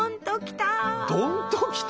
どんときた！